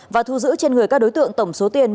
và thu giữ trên người các đối tượng tổng số tiền